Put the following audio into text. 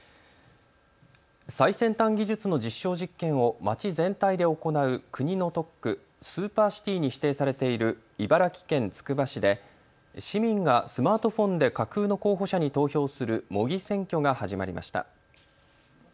最先端技術の実証実験を街全体で行う国の特区、スーパーシティに指定されている茨城県つくば市で市民がスマートフォンで架空の候補者に投票する模擬選挙が始まりました。